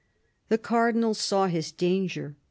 The Cardinal saw his danger.